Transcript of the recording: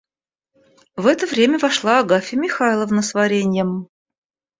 В это время вошла Агафья Михайловна с вареньем.